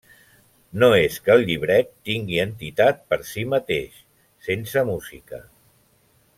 No és que el llibret tingui entitat per si mateix, sense música.